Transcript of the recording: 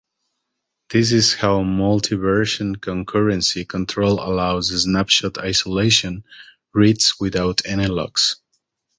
This is how multiversion concurrency control allows snapshot isolation reads without any locks.